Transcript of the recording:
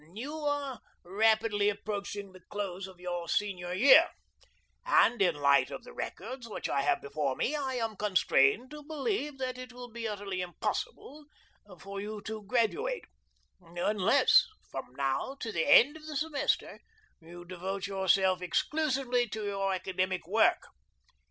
"You are rapidly approaching the close of your senior year, and in the light of the records which I have before me I am constrained to believe that it will be utterly impossible for you to graduate, unless from now to the end of the semester you devote yourself exclusively to your academic work.